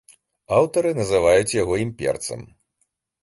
Аўтары называюць яго імперцам.